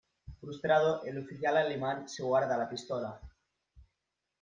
Frustrado, el oficial alemán se guarda la pistola.